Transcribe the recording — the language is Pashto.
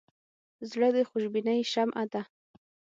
زړه د خوشبینۍ شمعه ده.